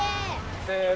せの！